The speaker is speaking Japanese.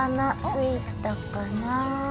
着いたかな？